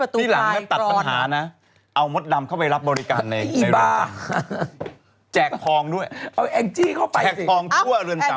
ที่หลังถ้าตัดปัญหานะเอามดดำเข้าไปรับบริการในรถดำแจกภองด้วยแจกภองทั่วเรือนดำ